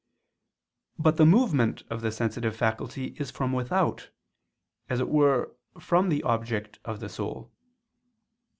But the movement of the sensitive faculty is from without, as it were from the object of the soul.